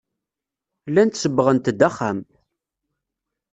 Llant sebbɣent-d axxam.